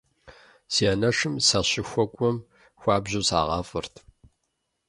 Си анэшым сащыхуэкӀуэм хуабжьэу сагъафӏэрт.